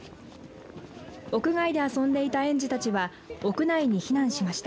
屋外で遊んでいた園児たちは屋内に避難しました。